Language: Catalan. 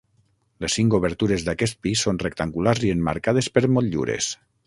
Les cinc obertures d'aquest pis són rectangulars i emmarcades per motllures.